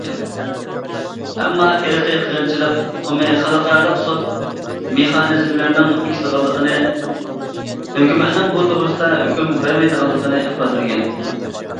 ئەمما ئىرقىي قىرغىنچىلىق ئۇقۇمىنى خەلقئارالىق سوت مېخانىزملىرىنىڭ بېكىتىدىغانلىقىنى، ھۆكۈمەتنىڭ بۇ توغرىسىدا ھۆكۈم بەرمەيدىغانلىقىنى ئىپادىلىگەن.